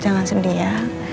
jangan sedih ya